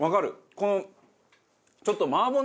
このちょっと。